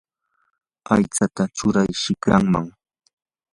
aychata churay shikraman.